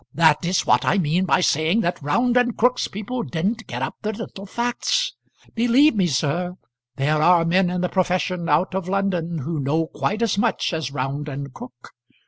That is what I mean by saying that Round and Crook's people didn't get up their little facts. Believe me, sir, there are men in the profession out of London who know quite as much as Round and Crook.